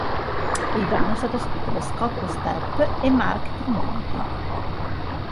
Il brano è stato scritto da Scott Stapp e Mark Tremonti.